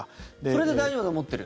それで大丈夫だと思ってる。